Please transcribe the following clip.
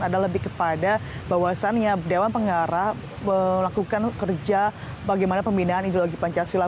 ada lebih kepada bahwasannya dewan pengarah melakukan kerja bagaimana pembinaan ideologi pancasila